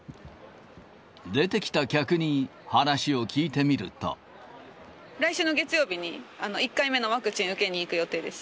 出てきた客に話を聞いてみる来週の月曜日に、１回目のワクチン受けに行く予定です。